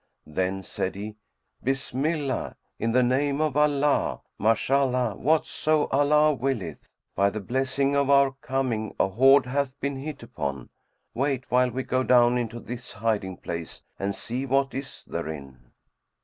Then said he, "Bismillah; in the name of Allah! Mashallah; whatso Allah willeth! By the blessing of our coming a hoard hath been hit upon, wait while we go down into this hiding place and see what is therein."